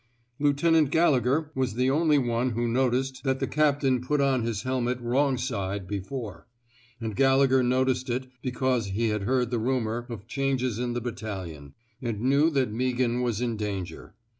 Lieutenant Gallegher was the only one who noticed that the captain put on his helmet wrong side before; and Gallegher noticed it because he had heard the rumor of changes in the battalion, and knew that Meaghan was 225 ( THE SMOKE EATEES in danger.